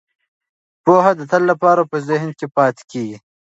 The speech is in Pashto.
پوهه د تل لپاره په ذهن کې پاتې کیږي.